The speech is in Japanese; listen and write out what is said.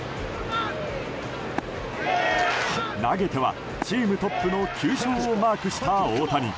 投げてはチームトップの９勝をマークした大谷。